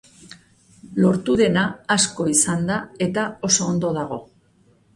Lortu dena asko izan da eta oso ondo dago.